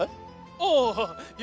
ああいや